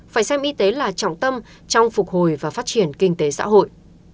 phải xem y tế là trọng tâm trong phục hồi và phát triển kinh tế xã hội